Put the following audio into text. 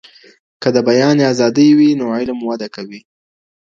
که د بيان ازادي وي نو علم وده کوي.